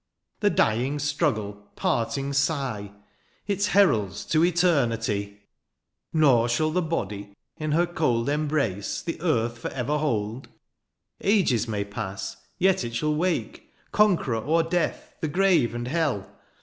" The dying struggle, parting sigh, " Its heralds to eternity ! THE AREOPAGITE. 19 " Nor shall the body in her cold '^ Embrace^ the earth for ever hold. ^^ Ages may pass, yet it shall wake, " Conqueror o^er death, the grave, and hell